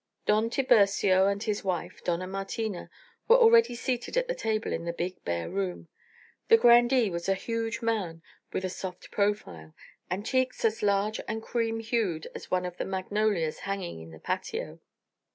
Don Tiburcio and his wife, Dona Martina, were already seated at the table in the big bare room. The grandee was a huge man with a soft profile, and cheeks as large and cream hued as one of the magnolias hanging in the patio.